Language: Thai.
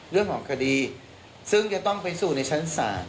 เรื่องของคดีซึ่งจะต้องไปสู่ในชั้นศาล